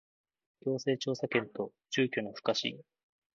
行政調査権と住居の不可侵